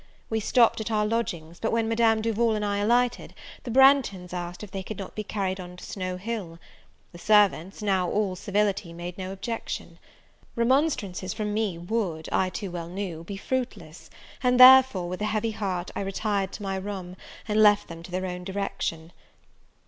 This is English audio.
We stopped at our lodgings; but, when Madame Duval and I alighted, the Branghtons asked if they could not be carried on to Snow Hill? The servants, now all civility, made no objection. Remonstrances from me would, I too well knew, be fruitless; and therefore, with a heavy heart, I retired to my room, and left them to their own direction.